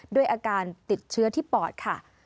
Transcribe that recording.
ด้วยอาการติดเชื้อที่ปอดค่ะ